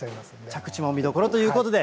着地も見どころということで。